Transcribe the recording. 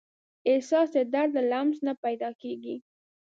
احساس د درد له لمس نه پیدا کېږي.